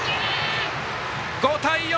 ５対４！